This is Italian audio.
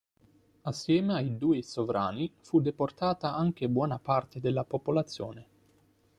Assieme ai due sovrani fu deportata anche buona parte della popolazione.